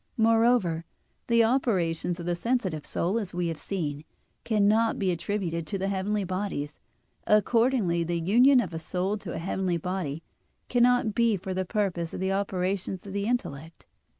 Moreover, the operations of the sensitive soul, as we have seen, cannot be attributed to the heavenly bodies. Accordingly, the union of a soul to a heavenly body cannot be for the purpose of the operations of the intellect.